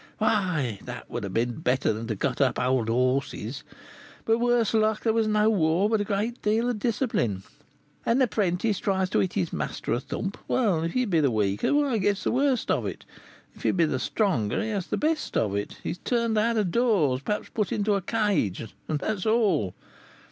Why, that would have been better than to cut up old horses; but, worse luck, there was no war, but a great deal of discipline. An apprentice tries to hit his master a thump; well, if he be the weaker, why, he gets the worst of it; if he be the stronger, he has the best of it; he is turned out of doors, perhaps put into the cage, and that is all.